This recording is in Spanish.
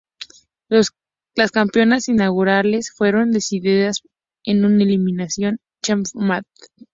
Las campeonas inaugurales fueron decididas en un Elimination Chamber Match.